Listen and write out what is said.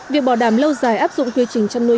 việc bỏ đảm lâu dài áp dụng quy trình chăm nuôi